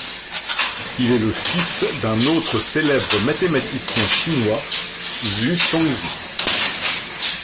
Il est le fils d'un autre célèbre mathématicien chinois, Zu Chongzhi.